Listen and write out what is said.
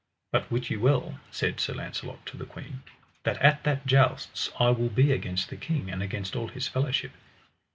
But wit you well, said Sir Launcelot to the queen, that at that jousts I will be against the king, and against all his fellowship.